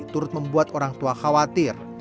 turut membuat orang tua khawatir